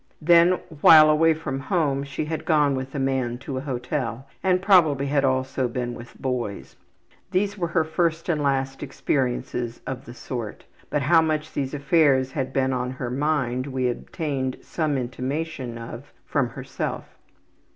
Then while away from home she had gone with a man to a hotel, and probably had also been with boys. These were her first and last experiences of the sort, but how much these affairs had been on her mind we obtained some intimation of from herself.